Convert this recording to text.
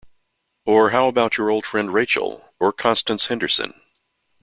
Or how about your old friend Rachael — or Constance Henderson?